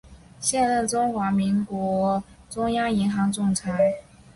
现任中华民国中央银行总裁。